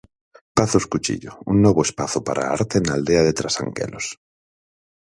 Pazos Cuchillo un novo espazo para a arte na aldea de Trasanquelos.